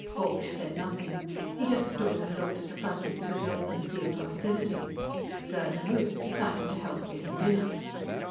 Borch said nothing; he just stood and looked at the Fuzzies with ill concealed hostility. Gerd and Ruth decided to help getting dinner.